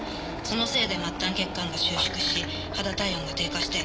そのせいで末端血管が収縮し肌体温が低下して。